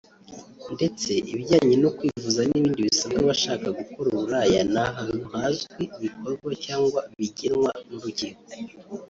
ndetse ibijyanye no kwivuza n’ibindi bisabwa abashaka gukora uburaya nta hantu hazwi bikorwa cyangwa bigenwa n’urukiko